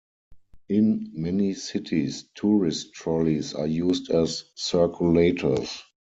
In many cities tourist trolleys are used as circulators.